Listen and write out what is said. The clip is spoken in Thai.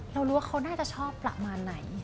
เรารู้ว่าเขาน่าจะชอบประมาณไหน